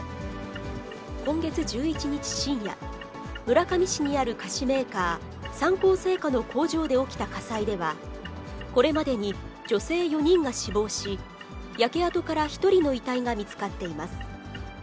今月１１日深夜、村上市にある菓子メーカー、三幸製菓の工場で起きた火災では、これまでに女性４人が死亡し、焼け跡から１人の遺体が見つかっています。